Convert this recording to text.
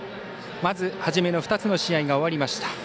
まず始めの２つの試合が終わりました。